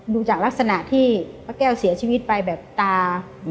ดูจากลักษณะที่ป้าแก้วเสียชีวิตไปแบบตา